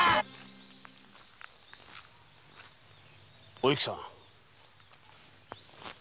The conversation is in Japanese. お幸さん。